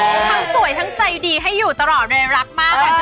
ทั้งสวยทั้งใจดีให้อยู่ตลอดเลยรักมากค่ะ